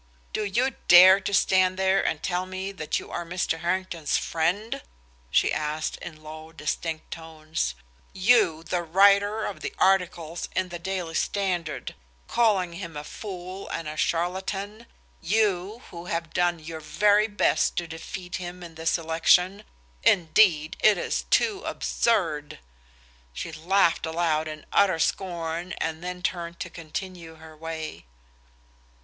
"Do you dare to stand there and tell me that you are Mr. Harrington's friend?" she asked in low distinct tones. "You, the writer of articles in the 'Daily Standard,' calling him a fool and a charlatan? You, who have done your very best to defeat him in this election? Indeed, it is too absurd!" She laughed aloud in utter scorn, and then turned to continue her way.